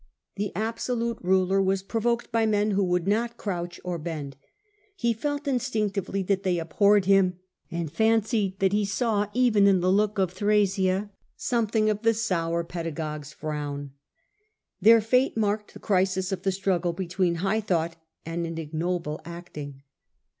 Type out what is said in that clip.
The absolute ruler was provoked by men who would not crouch or bend. He felt instinctively that they abhorred him, and fancied that he saw even in the look of Thrasea something of the sour pedagogue's frown. Their fate marked the crisis of the struggle between high thought and an ignoble acting.